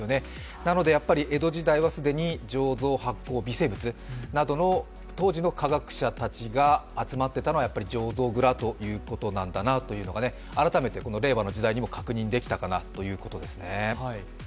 なのでやはり江戸時代は既に醸造発酵、微生物の当時の科学者たちが集まっていたのは、やはり醸造蔵ということなんだなということが改めて令和の時代にも確認できたかなというところですね。